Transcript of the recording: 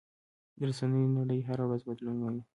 د رسنیو نړۍ هره ورځ بدلون مومي.